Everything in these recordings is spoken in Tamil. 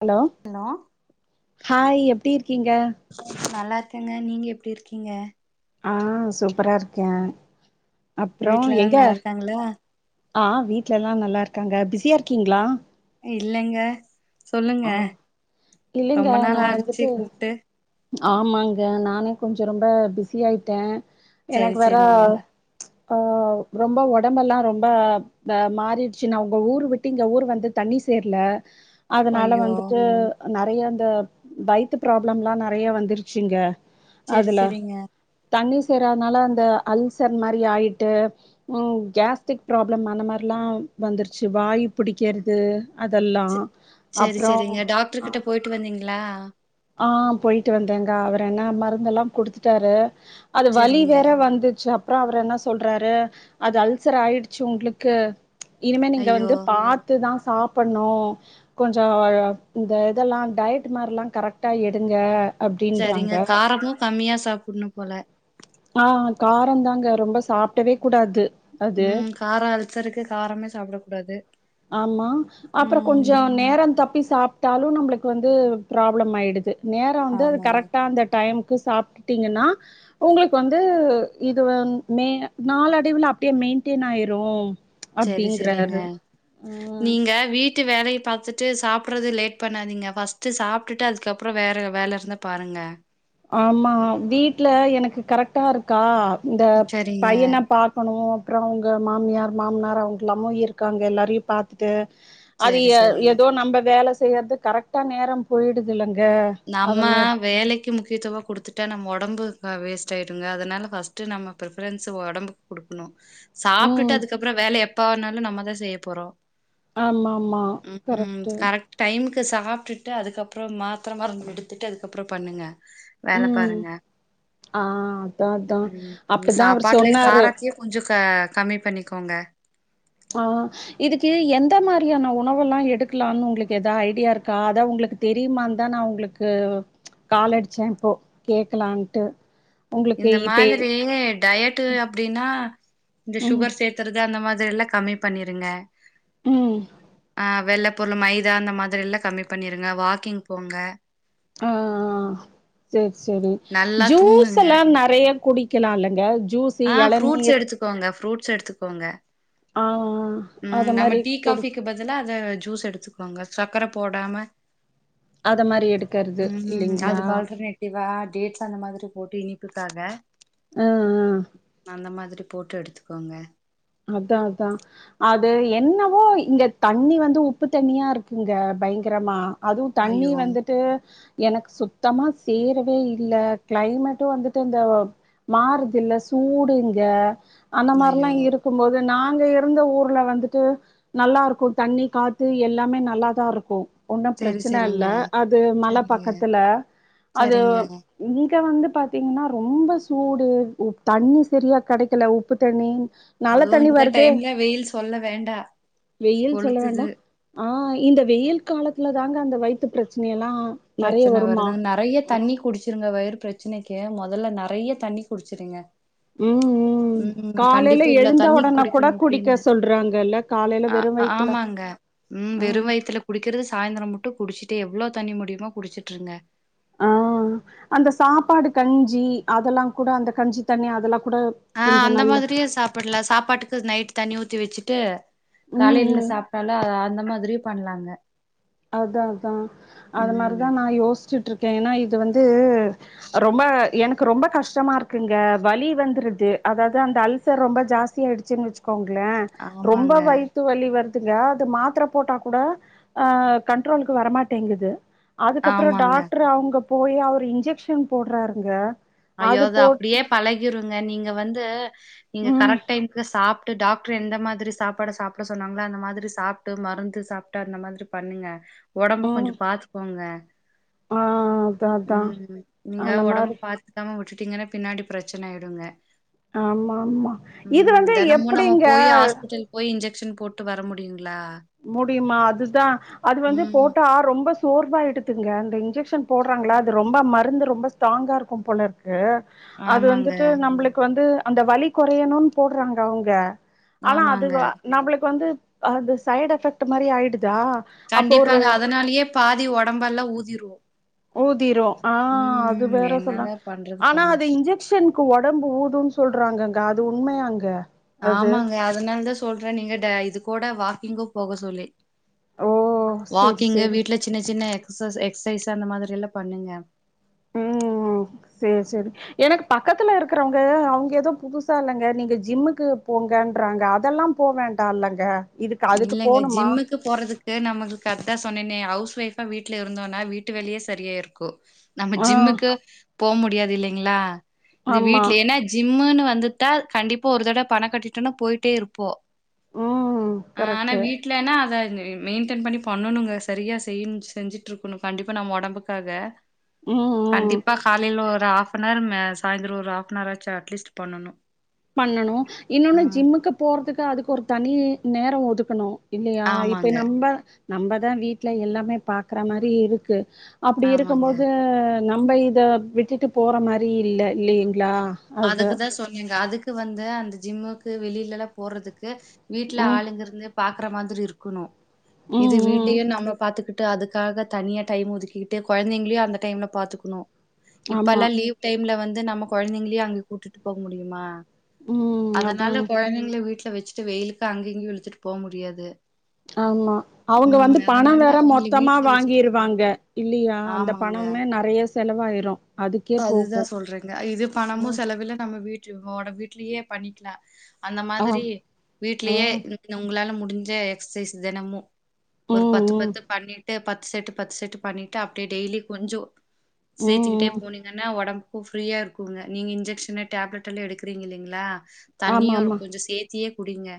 ஹலோ ஹலோ ஹாய் எப்டி இருக்கீங்க நல்லா இருக்கேங்க நீங்க எப்டி இருக்கீங்க ஆ சூப்பரா இருக்கே அப்றோ வீட்ல எல்லா எங்க நல்லா இருக்காங்களா ஆ வீட்ல எல்லா நல்லா இருக்காங்க பிஸியா இருக்கீங்ளா இல்லங்க சொல்லுங்க ஆ இல்லைங்க ரொம்ப நாள் நா ஆச்சு வந்துட்டு கூப்டு ஆமாங்க நானே கொஞ்சோ ரொம்ப பிஸி ஆயிட்டேன் செரி எனக்கு வேற செரிங்க ஆ ரொம்ப ஒடம்பெல்லா ரொம்ப தா மாரிட்சி நா உங்க ஊரு விட்டு இங்க ஊரு வந்து தண்ணி சேர்ல அதனால ஐயோ வந்துட்டு நறையா இந்த வயித்து ப்ராப்ளம்லா நறைய வந்துருச்சுங்க செரி அதல செரிங்க தண்ணி சேராதனால அந்த அல்சர் மாரி ஆயிட்டு ம் கேஸ்ட்ரிக் ப்ராப்ளம் அந்த மாரில்லா வந்துருச்சி வாயு புடிக்கிறது அதெல்லா சேரி அப்றோ சேரிங்க ஆ டாக்டர் கிட்ட போயிட்டு வந்தீங்ளா ஆ போயிட்டு வந்தேங்க அவர் என்ன மருந்தெல்லா குடுத்துட்டாரு அது வலி செரிங்க வேற வந்துச்சு அப் அப்றோ அவர் என்ன சொல்றாரு அது அல்சர் ஆய்டுச்சு உங்ளுக்கு இனிமே நீங்க ஐயோ வந்து பாத் த்து தா சாப்புட்ணு கொஞ்சோ இந்த இதெல்லா டயட் மாரிலா கரெக்ட் ட்டா எடுங்க செரிங்க காரமு கம்மியா சாப்புட்ணு போல ஆ காரோ தாங்க ரொம்ப சாப்டவே கூடாது அது. ம் காரோ அல்சர்க்கு காரமே சாப்ட கூடாது ஆமா அப்றோ ம் கொஞ்சோ நேரோ தப்பி சாப்ட்டாலு நம்ளுக்கு வந்து ப்ராப்ளம் ஆய்டுது நேரம் வந்து அது ஆமாங்க கரெக்டா அந்த டைமுக்கு சாப்பிட்டுட்டீங்கன்னா உங்களுக்கு வந்து இது வந் மே நாலடைவுல அப்டியே மெயின்டெயன் ஆயிரு செரி செரிங்க அப்டிங்கறாரு ம் நீங்க வீட்டு வேலய பாத்துட்டு சாப்டுறது லேட் பண்ணாதீங்க ஃபர்ஸ்ட்டு சாப் ட்டுட்டு அதுக்கப்றோ வேற வேல இருந்தா பாருங்க ஆமா வீட்ல எனக்கு கரெக்டா இருக்கா இந்த சரிங்க. பையன பாத் க்கனு அப்றோ அவுங்க மாமியார் மாமனார் அவங்கல்லாமு இருக்காங்க எல்லாரையு பாத் து அது சரி, ஏ சரிங்க. ஏதோ நம்ப வேல செய்றது கரெக்டா நேரோ போய்டுதுல்லங்க நம்ம வேலைக் முக்கி முக்கியத்துவ குடுத்துட்டா நம்ம ஒடம்பு வேஸ்ட் ஆயிடுங்க அதனால ஃபஸ்ட்டு நம்ம ப்ரிபரன்ஸ் ஒடம்புக் குடுக்ணு சாப்ட்டுட்டு ம் அதுக்கப்றோ வேல எப்ப வேணாலு நம்ம தா செய்ய போறோ ஆமாமா ம்ம் கரெக்ட்டு கரெக்ட் டைமுக்கு சாப்ட்டுட்டு அதுக்கப்றமா மாத்ர மருந்து எடுத்துட்டு அதுக்கப்றோ பண்ணுங்க வேல ம் பாருங்க ஆ அதா அதா ம் ம் அப்டிதா அவரு சாப்பாட்டுல சொன்னாரு காரத்தியு கொஞ்சோ க கம்மி பண்ணிக்கோங்க ஆ‌ இதுக்கு எந்த மாரியான உணவுல்லா எடுக்கலான்னு உங்ளுக்கு எதா ஐடியா இருக்கா அத உங்ளுக் தெரிமாந்தா நா உங்ளுக்கு கால் அடிச்ச இப்போ கேக்கலான்ட்டு உங்களுக்கு இந்த இப்பே மாதிரி டயட்டு அப்டின்னா இந்த ம் சுகர் சேத் த்துறது அந்த மாதிரில்லா கம்மி பண்ணிருங்க ம் ஆ வெள்ளப் பொருளு மைதா அந்த மாதிரில்லா கம்மி பண்ணிருங்க வாக்கிங் போங்க ஆ சேர் சேரி நல்லா தூங்குங்க ஜூஸ்ல்லா ந றைய குடிக்கலால்லங்க ஜூஸ் ஆ ஃப்ரூட்ஸ் எளநீர் எடுத்துக்கோங்க ஃப்ரூட்ஸ் எடுத்துக்கோங்க ஆ ஆ ம் நம்ம டீ காஃபிக்கு பதிலா அத ஜூஸ் எடுத்துக்கோங்க சக்கர போடாம அத மாரி எடுக்கற்து இல்லைங்ளா வா டேட்ஸ் அந்த மாதிரி போட்டு இனிப்புக்காக ம் ம் அந்த மாதிரி போட்டு எடுத்துக்கோங்க அதா அதா அது என்னவோ இங்க தண்ணி வந்து உப்பு தண்ணியா இருக்குங்க பயங்கரமா அதுவு தண்ணி ஐயோ வந்துட்டு எனக்கு சுத் தமா சேரவே இல்ல க்ளைமேட்டு வந்துட்டு இந்த மாறுதுல்ல சூடு இங்க அந்த மாரிலா ஐயோ இருக் க்கும்போது நாங்க இருந்த ஊர்ல வந்துட்டு நல்லா இருக்கு தண்ணி காத்து எல்லாமே நல்லாதாருக்கு ஒன்னு செரி பிரச்சன இல்ல செரிங்க அது மல செரிங்க பக்கத்துல அது செரிங்க இங்க வந்து பாத்தீங்னா ரொம்ப சூடு உ தண்ணி சரியா கெடைக்கல உப்பு தண்ணி நல்ல அதுவும் தண்ணி இந்த வருது டைம்ல வெயில் சொல்ல வேண்டா வெயில் சொல்ல கொளுத்துது வேண்டா ஆ இந்த வெயில் காலத்துல தாங்க அந்த வயித்து பிரச்சனை எல்லா நெறைய பிரச்சன வருமா வருது நெறைய தண்ணி குடிச்சிருங்க வயிறு பிரச் பிரச்சனைக்கே மொதல்ல நெறைய தண்ணி குடிச்சிருங்க ம் ம் ம் காலயில கண்டிப்பா இவ்ளோ எழுந்த தண்ணி ஒடனே கூட குடிக்கணும் குடிக்க அப்டின்னு சொல்றாங்கல்ல காலயில ஆ வெறு வயித்துல ஆமாங்க ம் ஆ வெறு வயித்துல குடிக்கறது சாயந்தரமுட்ட குடிச்சுட்டே எவ்ளோ தண்ணி முடியுமோ குடிச்சிட்ருங்க ஆ அந்த சாப்பாடு கஞ்சி அதெல்லா கூட அந்த கஞ்சி தண்ணி அதெல்லா கூட ஆ கொஞ்ச அந்த நல்ல மாதிரியே சாப்ட்லா சாப்பாட்டுக்கு நைட் தண்ணி ஊத்தி வச்சுட்டு ம் காலைல ம் சாப்ட்டாலு அ அந்த மாதிரியு பண்லாங்க அதா அதா அது ம் மாரிதா நா யோசிச்சுட்ருக்கே ஏன்னா இது வந்து ரொம்ப எனக்கு ரொம்ப கஷ்டமா இருக்குங்க வலி வந்துருது அதாவது அந்த அல்சர் ரொம்ப ஜாஸ்தி ஆயிடுச்சுன் வச்சு கோங்கள ரொம்ப ஆமாங்க வயித்து வலி வருதுங்க அது மாத்ர போட்டா கூட ஆ கண்ட்ரோலுக்கு வரமாட்டேங்குது அதுக்கப்றோ ஆமாங்க டாட்டரு அவங்க போய் அவர் இன்ஜெக்ஷன் போடுறாருங்க ஐயோ அது அப்டியே பழகிருங்க நீங்க வந்து நீங்க ம் கரெக்ட் டைம்க்கு சாப் டு டாக்ட்ரு எந்த மாரி சாப்பாட சாப்ட சொன்னாங்களோ அந்த மாரி சாப்ட்டு மருந்து சாப்ட்டு அந்த மாரி பண்ணுங்க ஒடம்ப ம் கொஞ்ச பாத்துக்கோங்க ஆ அதா அதா ம் நீங்க அந்த ஒடம்ப மாரி பாத் க்காம விட்டுட்டீங்கன்னா பின்னாடி பிரச்சன ஆயிடுங்க ஆமா ஆமா இது ம். வந்து தினமும் நம்ம எப்படிங்க போய் ஹாஸ்பிட்டல் போய் இன்ஜெக்ஷன் போட்டு வர முடியுங்களா முடியுமா அதுதா அது வந்து ம். போட்டா ரொம்ப ஸ் சோர்வாய்டுதுங்க இந்த இன்ஜெக்ஷன் போடுறாங்களா அது ரொம்ப மருந்து ரொம்ப ஸ்ட்ராங்கா இருக்கும் போலருக் து அது ஆமாங்க, வந்துட்டு நம்பளுக்கு வந்து அந்த வலி கொறயனோன்னு போடுறாங்க அவங்க ஆனா அது ஆமாங்க. வ நம்மளுக்கு வந்து அது சைடு் எஃபெக்ட் மாரி ஆயிடுதா அப்போ ஒரு கண்டிப்பாங்க அதனாலியே பாதி ஒடம்பெல்லா ஊதிரு ஊதிரோ ஆ அது வேற சொன்னா என்னதான் பண்றது ஆனா போங்க. அது இன்ஜெக்ஷன் க்கு ஒடம்பு ஊதூன் சொல்றாங்கங்க அது உண்மையாங்க அது ஆமாங்க அதனால தா சொல்றே நீங்க ட இது கூட வாக்கிங்கு போக சொல்லி ஓ செரி வாக்கிங்கு செரி வீட்ல சின்ன சின்ன எக்ஸசு எக்சைஸ் அந்த மாதிரில்லா பண்ணுங்க ம் ஆ செரி செரி எனக்கு பக்கத்துல இருக்கறவங்க அவங்க எதோ புதுசா இல்லங்க நீங்க ஜிம்முக்கு போங்கன்றாங்க அதெல்லாம் போ வேண்டா அல்லங்க இல்லைங்க ஜிம்முக் து போறதுக்கு நம்மக்கு கரெக்டா சொன்னேனே ஹவுஸ் ஒய்ஃபா வீட்ல இருந்தோனா வீட்டு வேலயே சரியா இருக்கூ நம்ம ஆ ஜிம்முக்கு போ முடியாது இல்லைங்களா இது ஆமா வீட்ல ஏன்னா ஜிம்முன்னு வந்துட்டா கண்டிப்பா ஒரு தடவ பண கட்டிட்டோன்னா போயிட்டே இருப்போ ம் ஆ ஆனா கரெக்ட்டு வீட் ட்லனா அத மெயின்டென் பண்ணி பண்ணனுங்க சரியா செயிஞ்சு செஞ்சுட்ருக்கனு கண்டிப்பா நம ஒடம்புக்கு க்காக ம் ம் கண்டிப்பா காலைல ஒரு ஆஃப் பண்ணாருமே சாயந்தர ஒரு ஹஃப் அன் ஆர் ஆச்சா அட்லீஸ்ட் பண்ணனு பண்ணனு இன்னொன்னு ஜிம்முக்கு போறதுக்கு அதுக்கு ஒரு தனி நேர ஒதுக்கணு இல்லையா இப்ப ஆமாங்க நம்ப நம்பதா வீட்ல எல்லாமே பாக்றா மாரி இருக்கு அப்டி ஆமாங்க இருக்கும்போது நம்ப இத விட்டுட்டு போற மாரி இல்ல இல்லைங்களா அது அதுக்குதா சொன்னேங்க அதுக்கு வந்து அந்த ஜிம்முக்கு வெளிலல்லா போறதுக்கு வீட்ல ம் ஆளுங்க இருந்து பாக்குற மாதிரி இருக்கணு இது ம் ம் வீட்டையு நம்ம பாத்துக்கிட் டு அதுக்காக தனியா டைம் ஒதுக்கிகிட்டு கொழந்தைங்களையு அந்த டைம்ல பாத்துக்கணு ஆமா இப்பல்லா லீவ் டைம்ல வந்து நம்ம கொழந்தைங்களையு அங்க கூட்டுட்டு போக முடியுமா ம் அதான் அதனால கொழந்தைங்கள வீட்ல வெச்சிட்டு வெயிலுக்கு அங்க இங்கியு இழுத்துட்டு போ முடியாது. ஆமா அவுங்க ம் வந்து பண அதனால வேற அவங்கள மொத்தமா வீட்ல வச்சுட்டு தான் வாங்கிருவாங்க. பாக்கணும். இல்லியா அந்த ஆமாங்க பணமுமே நறையா செலவாயிரு. அதுக்கே அதுதா போகு சொல்றங்க இது பணமு செலவில்ல நம்ம வீட்டு ஓட வீட்லியே பண்ணிக்லா. அந்த ஆ மாரி ஆ வீட்லியே [inaudible] உங்ளால முடிஞ்ச எக்ஸசைஸ் தெனமு ஒரு ம் பத்து ம் ம் பத்து பண்ணிட்டு பத்து செட்டு பத்து செட்டு பண்ணிட்டு அப்டே டெய்லி கொஞ்சோ சேத்திகிட்டே ம் போனீங்கன்னா ஒடம்க்கு ஃப்ரீயா இருக்குங்க நீங்க இன்ஜெக்ஷனு டேப்லெட் எல்லா எடுக்குறீங் இல்லிங்ளா ஆமா தண்ணியுர் ஆமா கொஞ்சோ சேத்தியே குடிங்க.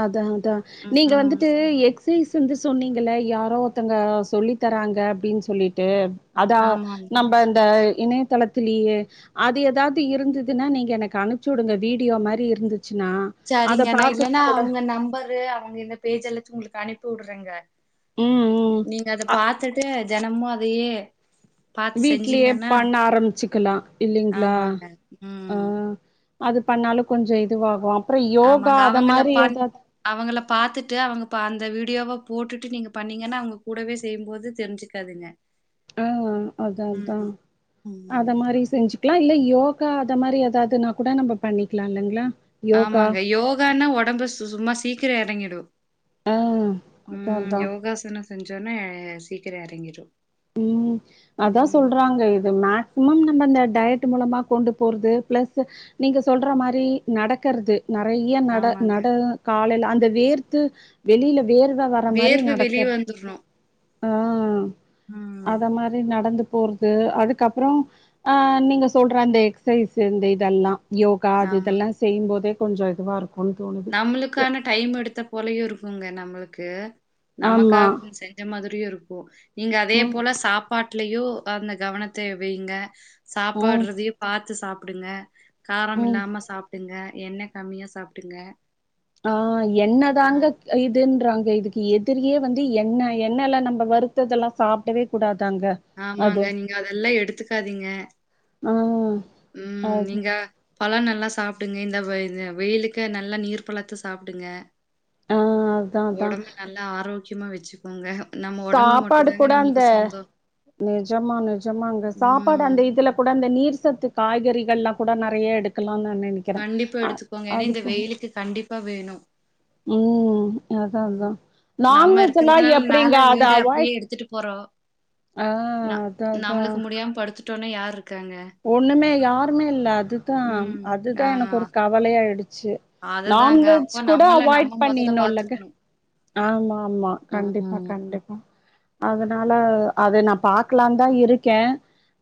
அதா அதா நீங்க ம். வந்துட்டு எக்ஸ் க்சைஸ் வந்து சொன்னீங்கள்ல யாரோ ஒர்த்தங்க சொல்லி தராங்க அப்டின் சொல்லிட்டு அதா ஆமாங்க. நம்ப இந்த இணையதள திலியே அது எதாவது இருந்துதுனா நீங்க எனக்கு அனுப்ச்சுடுங்க வீடியோ மாரி இருந்துச்சுனா. சரிங்க நா இல்லன்னா அவுங்க நம்பரு அவுங்க இந்த பேஜ் எல்லாச்சு உங்குளுக்கு அனுப்பி உட்றேங்க. ம் நீங்க ம் அத பாத்துட்டு தெனமு அதயே வீட்லியே பண்ண ஆரம்ச்சுக்கலா இல்லிங்ளா ஆமாங்க அ. ம் அது பண்ணாலு கொஞ்சோ இதுவாகு அப்றோ யோகா ஆமாங்க அத அவங்கள மாரி பான் எதாது அவங்கள பாத்துட்டு அவங்க ப அந்த வீடியோவ போட்டுட்டு நீங்க பண்ணீங்கன்னா அவுங்க கூடவே செய்யும்போது தெரிஞ்சுக்காதுங்க. அ அதா அதா ம். ம் அத மாரி செஞ்சு க்லா இல்ல யோகா அத மாரி எதாதுன்னா கூட நம்ப பண்ணிக்லா இல்லங்ளா? ஆமாங்க யோகான்னா ஒடம்பு சு சும்மா சீக்கிரோ எறங்கிடு. அதா ம் அதா யோகாசனோ செஞ்சொனே சீக்கிர எறங்கிடு. ம். அதா ம் சொல்றாங்க இது மேக்சிமம் நம்ம அந்த டயட்டு மூலமா கொண்டு போறது பிளஸ் நீங்க சொல்றா மாரி நடக்கறது. நறைய்ய நட ஆமாங்க. நட காலைல அந்த வேர்த்து வெளில வேர்வ வர மாரி நடக்கற் ந்துர்னு. அ. அ. அத மாரி நடந்து போறது அதுக்கப்புறோ அ நீங்க சொல்ற அந்த எக்சைஸு இந்த இதெல்லா யோகா அது இதெல்லா ஆமாங்க. செய்யும்போதே கொஞ்சோ இதுவாரு நம்முளுக்கான டைம் எடுத்த போலையு இருக்குங்க நம்மளுக்கு ஆமா நமக்காகன் செஞ் ச மாதிரியு இருக்கு. நீங்க அதே போல சாப்பாட்லியு அந்த கவனத்த வெய்ங்க. ம் சாப்பாட்றதையு பாத்து சாப்புடுங்க காரம் ம் இல்லாம சாப் டுங்க எண்ண கமியா சாப்டுங்க. ஆ எண்ணதாங்க இதுன்றாங்க இதுக்கு எதிரியே வந்து எண்ண எண்ணைல நம்ப வருத்ததெல்லா சாப்டவே கூடாதாங்க. அது ஆமாங்க நீங்க அதெல்லா எடுத்துக்காதீங்க. அ. ம் நீங்கா பழோ நல்லா சாப்டுங்க இந்த வ இந்த வெயிலுக்கு நல்லா நீர் பழத்த சாப்டுங்க. ஆ அதா அதா ஒடம்ப நல்லா ஆரோக்கியமா வெச்சு கோங்க நம்ம ஒடம்பு மட்டு தாங்க நம்ளுக்கு சொந்தோ. நெஜமா நெஜமாங்க சாப்பாடு அந்த இதுல கூட அந்த நீர் சத்து காய்கறிகள்லா கூட நறைய எடுக்கலானு நா நெனைக் கண்டிப்பா எடுத்துக்கோங்க ஏன்னா இந்த வெயிலுக்கு கண்டிப்பா வேணு ம் அதா அதா நம்ம நான்வெஜ்லா இருக்கிறதுனாலனால எப்டிங்க அத வீட அப்படியே அவாய்ட் எடுத்துட்டு போறோம் ஆ, அதா அதா தொண யார் இருக்காங்க ஒண்ணுமே யாருமே இல்ல அதுதா ம் அதுதா எனக்கு ஒரு கவலயாயிடுச்சு அததாங்க அப்போ நம்மல நம்ம மொதல்ல பண்ணிர்ணு இல்லங்க பாத்துக்கணு ஆமா ஆமா கண்டிப்பா கண்டிப்பா அதனால அது நா பாக்கலானுதா இருக்கே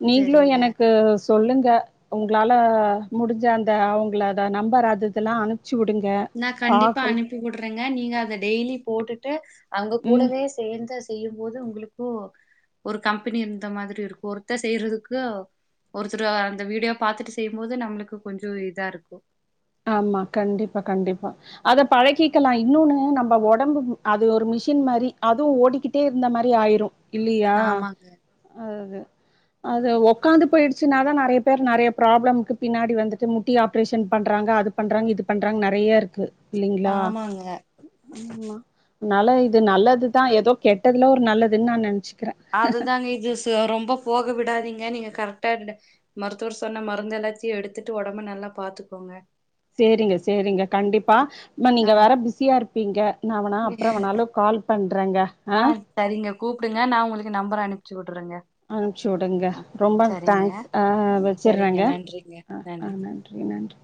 நீங்ளு சரிங்க எனக் கு சொல்லுங்க உங்களால முடிஞ்ச அந்த அவங்கள அத நம்பர் அது இதுலா அனுப் ச்சு வுடுங்க நா கண்டிப்பா அனுப்பி வுடுறங்க நீங்க அத டெய்லி போட்டுட்டு அங்க ம் கூடவே சேந்த செய்யும் போது உங்ளுக்கு ஒரு கம்பெனி இருந்த மாதிரி இருக்கு ஒருத்த செய்யறதுக்கு ஒருத்தரவ அந்த வீடியோ பாத்துட்டு செய்யும்போது நம்மளுக்கு கொஞ்சோ இதா இருக்கு ஆமா, கண்டிப்பா கண்டிப்பா அத பழகிக்கலா இன்னொன்னு நம்ம ஒடம்பு அது ஒரு மிஷின் மாரி அதுவு ஓடிக்கிட் டே இருந்த மாரி ஆயிரு இல்லியா ஆமாங்க அது அது ஒக்காந்து போயிடுச்சுனாதா நறைய பேர் நறைய ப்ராப்ளம்க்கு பின்னாடி வந்துட்டு முட்டி ஆப்ரேஷன் பண் றாங்க அது பண்றாங்க இது பண்றாங்க நறைய இருக்கு இல்லிங்ளா, ஆமாங்க ஆமா னால இது நல்லதுதா ஏதோ கெட்டதுல ஒரு நல்லதுன்னு நா நெனைச்சு அதுதாங்க இது சோ ரொம்ப போக விடாதீங்க நீங்க கரெக்டாயிடுனு மருத்துவர் சொன்ன மருந்து எல்லாத்தையு எடுத்துட்டு ஒடம்ப நல்லா பாத்துக்கோங்க சேரிங்க சேரிங்க கண்டிப்பா, ம்மா ஆ நீங்க வேற பிஸியா இருப்பீங்க நா வேணா அப்பறோ வேணாலு கால் பண்றங்க ஆ சரிங்க கூப்டுங்க நா உங்களுக்கு நம்பர் அனுப்ச்சு விடுறேங்க அனுப்பச்சி விடுங்க ஆ ரொம்ப சரிங்க தேங்க்ஸ் ஆ சரிங்க வச்சிட்றங்க நன்றிங்க ஆ ஆ நன்றிங்க நன் றி நன்றி